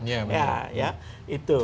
ya ya itu